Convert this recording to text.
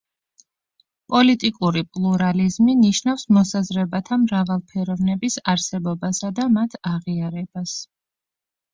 პოლიტიკური პლურალიზმი ნიშნავს მოსაზრებათა მრავალფეროვნების არსებობასა და მათ აღიარებას.